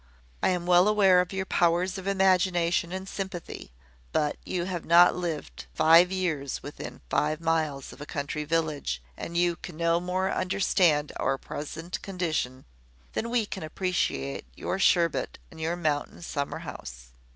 I am well aware of your powers of imagination and sympathy: but you have not lived five years within five miles of a country village; and you can no more understand our present condition than we can appreciate your sherbet and your mountain summer house.